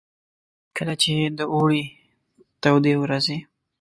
کله چې د اوړې تودې ورځې.